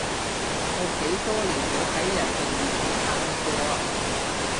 我幾多年冇喺人哋面前喊過啊